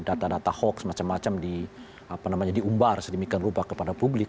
data data hoax macam macam diumbar sedemikian rupa kepada publik